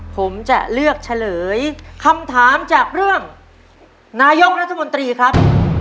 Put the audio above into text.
ผมจะเลือกเฉลยคำถามจากเรื่องนายกรัฐมนตรีครับ